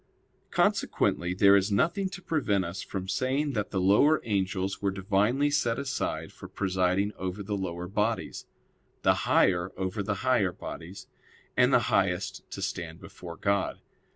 Consequently there is nothing to prevent us from saying that the lower angels were divinely set aside for presiding over the lower bodies, the higher over the higher bodies; and the highest to stand before God.